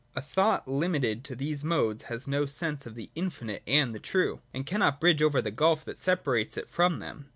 A thought limited to these modes has no sense of the Infinite and the True, and cannot bridge over the gulf that separates it from them.